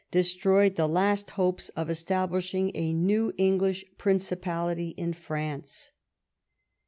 destroyed the last hopes of establishing a new English principality in France.